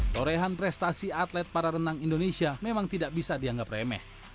torehan prestasi atlet para renang indonesia memang tidak bisa dianggap remeh